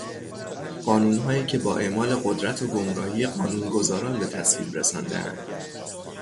قانونهایی که با اعمال قدرت و گمراهی قانونگزاران به تصویب رساندهاند